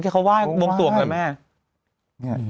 นี่ครับไม่ใช่นี่นี่นี่